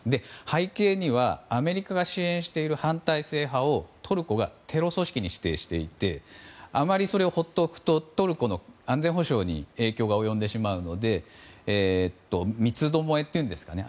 背景にはアメリカが支援している反体制派をトルコがテロ組織に指定していてあまりそれを放っておくとトルコの安全保障に影響が及んでしまうので三つどもえというんですかね。